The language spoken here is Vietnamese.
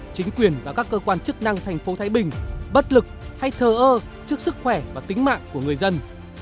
chính quyền và các cơ quan chức năng thành phố thái bình bất lực hay thờ ơ trước sức khỏe và tính mạng của người dân